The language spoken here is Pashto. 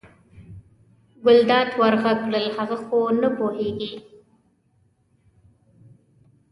ګلداد ور غږ کړل هغه خو نه پوهېږي.